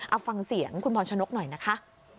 เอาฟังเสียงคุณพรชนกหน่อยนะคะ